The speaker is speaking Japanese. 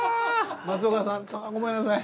松岡さんごめんなさい。